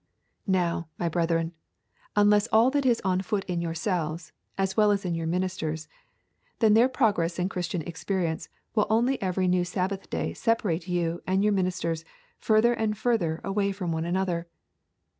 Now, my brethren, unless all that is on foot in yourselves, as well as in your ministers, then their progress in Christian experience will only every new Sabbath day separate you and your ministers further and further away from one another.